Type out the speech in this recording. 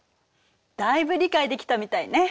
だいぶ理解できたみたいね。